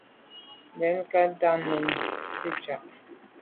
Mbèn nke ntà num nsitsha’a.